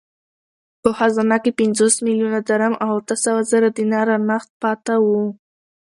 په خزانه کې پنځوس میلیونه درم او اته سوه زره دیناره نغد پاته وو.